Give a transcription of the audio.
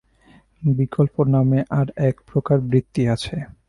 বিকল্প-নামে আর এক প্রকার বৃত্তি আছে।